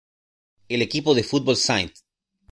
El equipo de fútbol St.